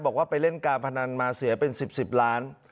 บอกว่าไปเล่นการพนันมาเสียเป็น๑๐๑๐ล้าน